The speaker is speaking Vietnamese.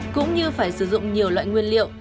cũng như phải sử dụng nhiều loại nguyên liệu